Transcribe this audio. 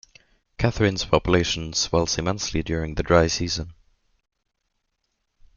Katherine's population swells immensely during the Dry Season.